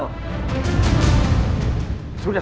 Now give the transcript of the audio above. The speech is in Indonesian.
sudah sudah hentikan